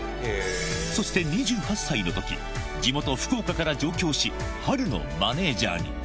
そして２８歳のとき、地元、福岡から上京し、波瑠のマネージャーに。